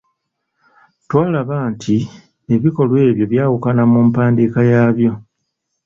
Twalaba nti ebikolwa ebyo byawuka mu mpandiika yaabyo.